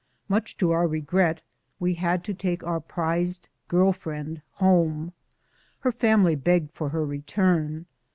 Much to our re gret we had to take our prized girl friend home. Her family begged for her return.